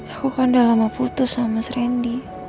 aku kan udah lama putus sama sandy